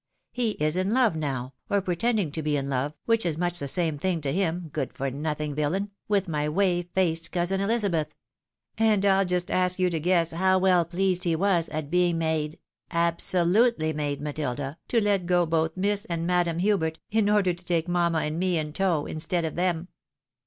He is in love now, or pretending to be in love (which is much the same thing to him, good for nothing villain), with my whey faced cousin Elizabeth. And rU just ask you to guess how well pleased he was at being made, absolutely made, Matilda, to let go both Miss and Madam Hubert, in order to take mamma and me in tow, instead of them.